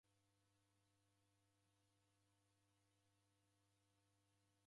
Ni makosa kutesa w'akosi.